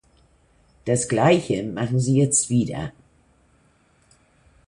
Das gleiche machen Sie jetzt wieder.